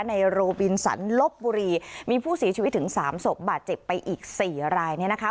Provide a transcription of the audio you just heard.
ในโรบินสันลบบุรีมีผู้เสียชีวิตถึงสามศพบาดเจ็บไปอีกสี่รายเนี่ยนะคะ